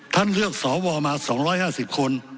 ท่านเลือกสวมา๒๕๐คน